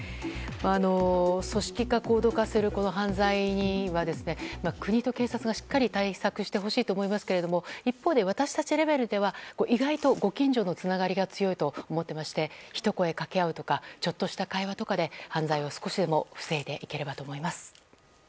組織化、行動化する犯罪には国と警察がしっかり対策してほしいと思いますけども一方で、私たちレベルでは意外とご近所のつながりが強いと思っていましてひと声かけ合うとかちょっとした会話とかで犯罪を少しでも防いでいければと思います。